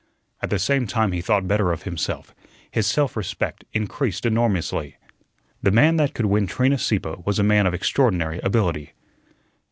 At the same time he thought better of himself; his self respect increased enormously. The man that could win Trina Sieppe was a man of extraordinary ability.